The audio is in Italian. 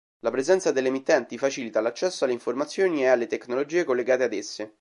La presenza delle emittenti facilita l'accesso alle informazioni e alle tecnologie collegate ad esse.